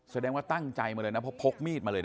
แสดงว่าตั้งใจมาเลยนะเพราะพกมีดมาเลยนะ